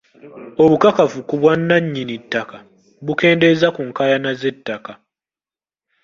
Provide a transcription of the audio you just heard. Obukakafu ku bwannanyinittaka bukendeeza ku nkaayana z'ettaka.